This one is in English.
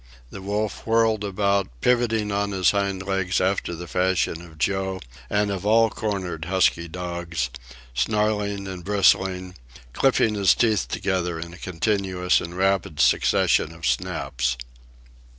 The wolf whirled about, pivoting on his hind legs after the fashion of Joe and of all cornered husky dogs, snarling and bristling, clipping his teeth together in a continuous and rapid succession of snaps.